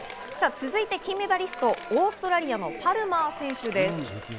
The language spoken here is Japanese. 続いて金メダリスト、オーストラリアのパルマー選手です。